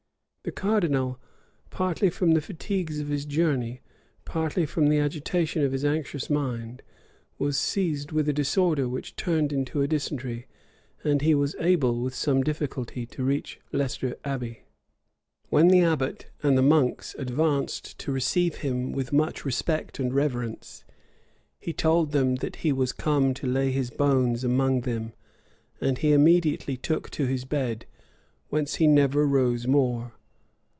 The cardinal, partly from the fatigues of his journey, partly from the agitation of his anxious mind, was seized with a disorder which turned into a dysentery; and he was able, with some difficulty, to reach Leicester Abbey. When the abbot and the monks advanced to receive him with much respect and reverence, he told them that he was come to lay his bones among them; and he immediately took to his bed, whence he never rose more.